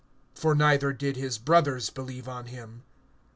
(5)For neither did his brothers believe on him.